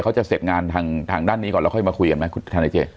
เขาจะเสร็จงานทางด้านนี้ก่อนแล้วค่อยมาคุยกันไหมคุณธนายเจ